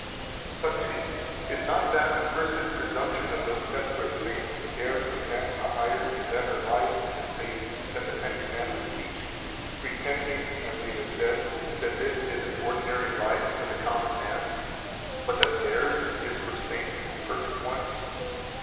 315 But see, is not that a cursed presumption of those desperate saints who dare to invent a higher and better life and estate than the Ten Commandments teach, pretending (as we have said) that this is an ordinary life for the common man, but that theirs is for saints and perfect ones?